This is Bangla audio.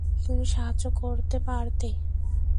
তুমি সাহায্য করতে পারতে।